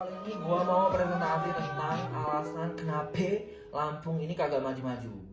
kali ini gue mau berintegrasi tentang alasan kenapa lampung ini kagak maju maju